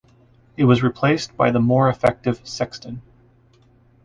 It was replaced by the more effective Sexton.